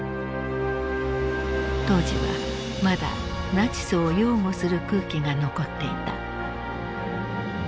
当時はまだナチスを擁護する空気が残っていた。